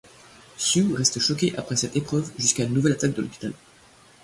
Sue reste choquée après cette épreuve jusqu'à une nouvelle attaque de l'hôpital.